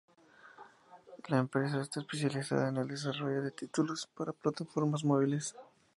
La empresa está especializada en el desarrollo de títulos para plataformas móviles.